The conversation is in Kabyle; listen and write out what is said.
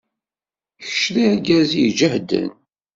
Kečč d argaz ay ijehden.